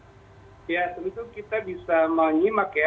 ya tentu kita bisa menyimak ya